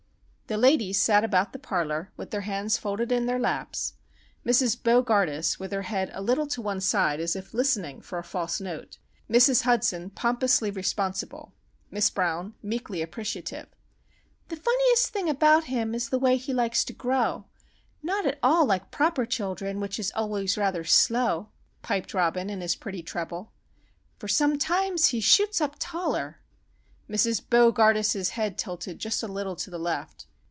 The ladies sat about the parlour, their hands folded in their laps, Mrs. Bo gardus with her head a little to one side as if listening for a false note, Mrs. Hudson pompously responsible, Miss Brown meekly appreciative. "The funniest thing about him is the way he likes to grow,— Not at all like proper children, which is always rather slow," piped Robin in his pretty treble. "For he sometimes shoots up taller,——" Mrs. Bo gardus's head tilted just a little to the left.